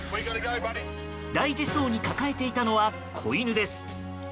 大事そうに抱えていたのは子犬です。